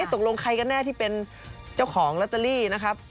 ตกลงใครกันแน่ที่เป็นเจ้าของลอตเตอรี่นะครับ